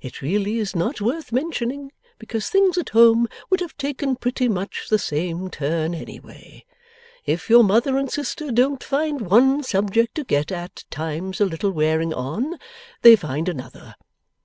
It really is not worth mentioning, because things at home would have taken pretty much the same turn any way. If your mother and sister don't find one subject to get at times a little wearing on, they find another.